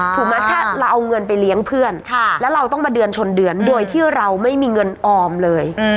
ถูกไหมถ้าเราเอาเงินไปเลี้ยงเพื่อนแล้วเราต้องมาเดือนชนเดือนโดยที่เราไม่มีเงินออมเลย